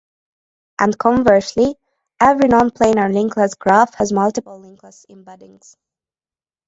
And conversely, every nonplanar linkless graph has multiple linkless embeddings.